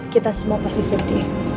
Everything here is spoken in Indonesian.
kita semua pasti sedih